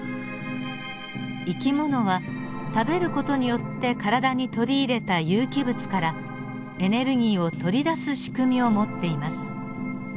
生き物は食べる事によって体に取り入れた有機物からエネルギーを取り出す仕組みを持っています。